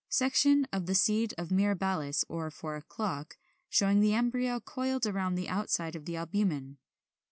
Section of the seed of Mirabilis or Four o'clock, showing the embryo coiled round the outside of the albumen.